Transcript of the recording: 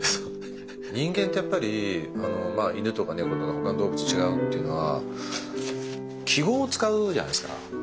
人間ってやっぱりまあ犬とか猫とかほかの動物と違うっていうのは記号を使うじゃないですかすっごい。